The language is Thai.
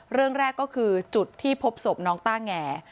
เรื่องแรกก็คือจุดที่พบศพน้องต้าแง